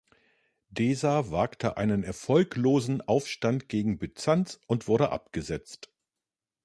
Desa wagte einen erfolglosen Aufstand gegen Byzanz und wurde abgesetzt.